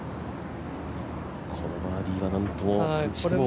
このバーディーはなんとしても。